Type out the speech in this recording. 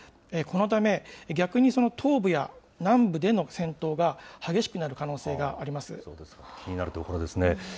このため、逆にその東部や南部での戦闘が激しくなる可能性がありそうですか、気になるところですね。